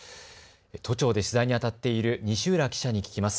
都庁で取材にあたっている西浦記者に聞きます。